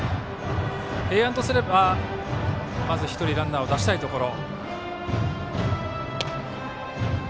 平安とすればまず１人ランナーを出したいところ。